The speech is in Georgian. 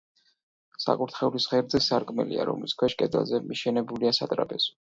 საკურთხევლის ღერძზე სარკმელია, რომლის ქვეშ კედელზე მიშენებულია სატრაპეზო.